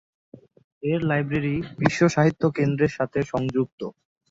এর লাইব্রেরী বিশ্ব সাহিত্য কেন্দ্রের সাথে সংযুক্ত।